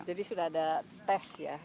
jadi sudah ada tes ya